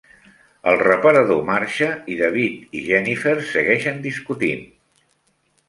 El reparador marxa i David i Jennifer segueixen discutint.